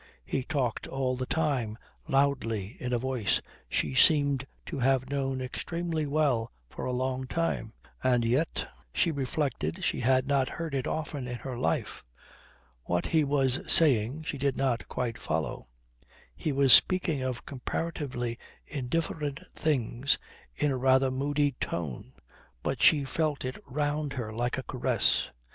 He talked all the time loudly in a voice she seemed to have known extremely well for a long time; and yet, she reflected, she had not heard it often in her life. What he was saying she did not quite follow. He was speaking of comparatively indifferent things in a rather moody tone, but she felt it round her like a caress.